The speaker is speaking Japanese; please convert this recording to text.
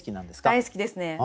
大好きですね。